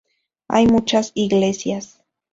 Hay muchas iglesias.